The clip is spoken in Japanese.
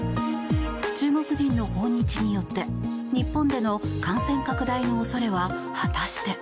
中国人の訪日によって日本での感染拡大の恐れは果たして。